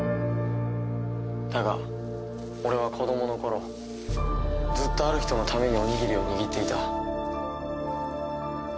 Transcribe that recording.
だが俺は子供の頃ずっとある人のためにおにぎりを握っていた。